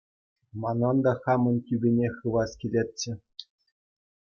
Манӑн та хамӑн тӳпене хывас килетчӗ.